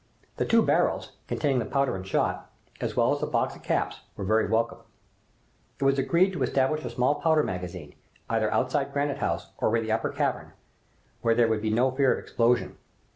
The two barrels, containing the powder and shot, as well as the box of caps, were very welcome. It was agreed to establish a small powder magazine, either outside Granite House or in the Upper Cavern, where there would be no fear of explosion.